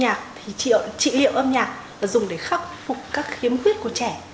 khác với việc giáo dục âm nhạc thì trị liệu âm nhạc và dùng để khắc phục các khiếm khuyết của trẻ